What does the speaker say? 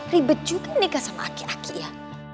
ribet juga nikah sama aki aki ya